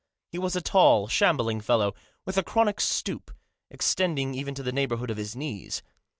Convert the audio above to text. He was a tall, shambling fellow, with a chronic stoop, extending even to the neighbourhood of his knees.